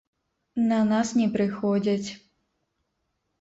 На нас не прыходзяць.